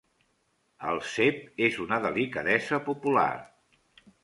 El cep és una delicadesa popular.